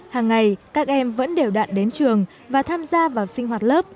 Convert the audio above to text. hàng ngày các em vẫn đều đạn đến trường và tham gia vào sinh hoạt lớp